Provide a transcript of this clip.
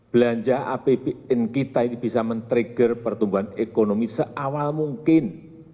belanja apbn kita ini bisa men trigger pertumbuhan ekonomi seawal mungkin